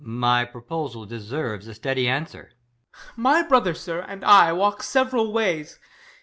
EsCH. My proposal deserves a steady answer. Ben. My brother, sir, and I, walk several ways.